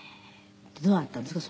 でどうなったんですか？